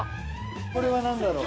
これは何だろう？